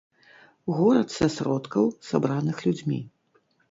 Горад са сродкаў, сабраных людзьмі.